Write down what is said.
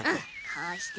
こうしてね。